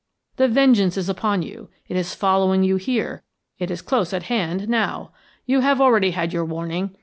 The vengeance is upon you, it is following you here, it is close at hand now. You have already had your warning.